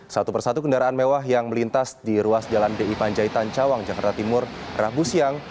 satu persatu kendaraan mewah yang melintas di ruas jalan di panjaitan cawang jakarta timur rabu siang